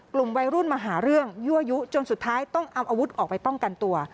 กลุ่มวัยรุ่นมาหาเรื่องยั่วยุจนสุดท้ายต้องเอาอาวุธออกไปป้องกันตัว